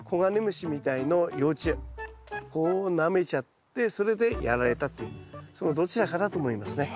もう一つはこうなめちゃってそれでやられたっていうそのどちらかだと思いますね。